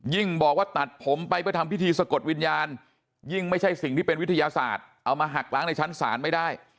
บอกว่าตัดผมไปเพื่อทำพิธีสะกดวิญญาณยิ่งไม่ใช่สิ่งที่เป็นวิทยาศาสตร์เอามาหักล้างในชั้นศาลไม่ได้